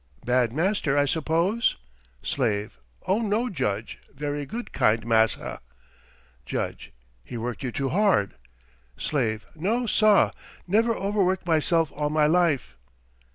Bad master, I suppose?" Slave: "Oh, no, Judge; very good, kind massa." Judge: "He worked you too hard?" Slave: "No, sah, never overworked myself all my life."